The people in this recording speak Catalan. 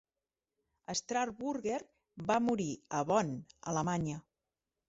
Strasburger va morir a Bonn, Alemanya.